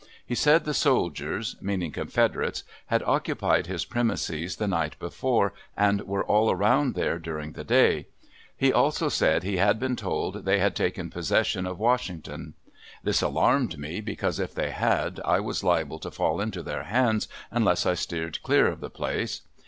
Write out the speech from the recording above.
He said the soldiers (meaning Confederates) had occupied his premises the night before and were all around there during the day. He also said he had been told they had taken possession of Washington. This alarmed me, because if they had, I was liable to fall into their hands unless I steered clear of the place.